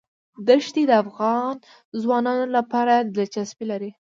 دښتې د افغان ځوانانو لپاره دلچسپي لري.